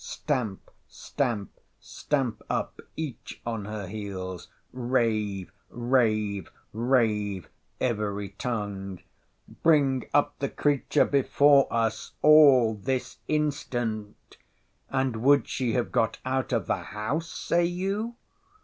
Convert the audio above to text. —— Stamp, stamp, stamp up, each on her heels; rave, rave, rave, every tongue—— Bring up the creature before us all this instant!—— And would she have got out of the house, say you?